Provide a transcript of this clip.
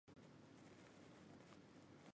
他们的另一职责是参与选举行政长官。